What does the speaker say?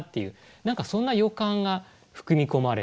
何かそんな予感が含み込まれている。